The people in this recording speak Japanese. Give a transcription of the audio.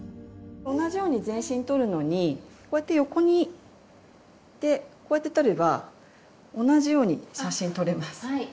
同じように全身撮るのにこうやって横にこうやって撮れば同じように写真撮れます。